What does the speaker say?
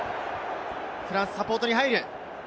フランス、サポートに入る。